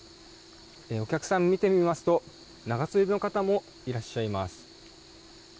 お客さんを見てみますと長袖の方もいらっしゃいます。